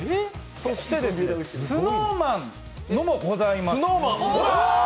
そしてですね、ＳｎｏｗＭａｎのもございます。